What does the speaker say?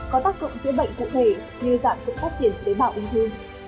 có tác dụng chữa bệnh cụ thể như dạng phục phát triển tế bào ung thư